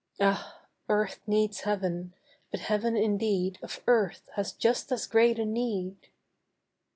Ah! earth needs heaven, but heaven indeed Of earth has just as great a need.